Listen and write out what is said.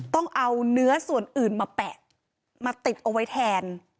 ต้องเอาเนื้อส่วนอื่นมาแปะมาติดเอาไว้แทน